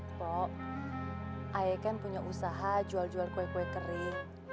mpok ayah kan punya usaha jual jual kue kue kering